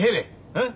うん？